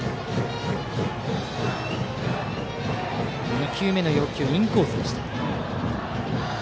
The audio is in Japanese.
２球目の要求はインコースでした。